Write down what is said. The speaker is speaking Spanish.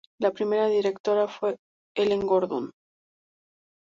La primera directora fue Helen Gordon.